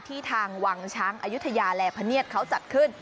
ที่ทางวังช้างอยุธยาแลพเนียสเขาจัดขึ้น